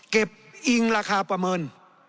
อิงราคาประเมิน